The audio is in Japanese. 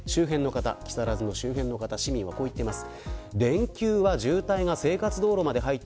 木更津の周辺の市民の方はこう言っています。